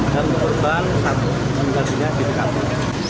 dan untuk korban satu